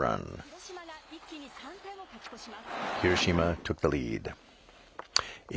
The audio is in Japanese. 広島が一気に３点を勝ち越します。